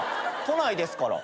都内ですから。